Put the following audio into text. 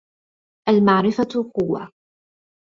المعرفة قوة.